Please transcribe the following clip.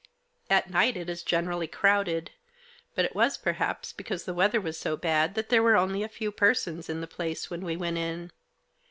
At night it is generally crowded, but it was per haps because the weather was so bad that there were only a few persons in the place when we went in.